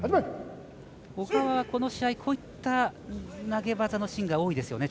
小川は、この試合こういった投げ技のシーンが多いですよね。